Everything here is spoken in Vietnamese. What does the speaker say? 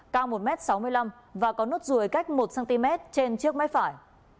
cao một m sáu mươi năm và có nốt ruồi cách một cm trên trước mép phải